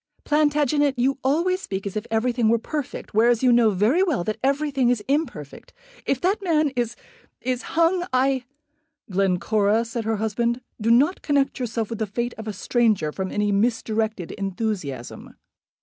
"Plantagenet, you always speak as if everything were perfect, whereas you know very well that everything is imperfect. If that man is is hung, I " "Glencora," said her husband, "do not connect yourself with the fate of a stranger from any misdirected enthusiasm."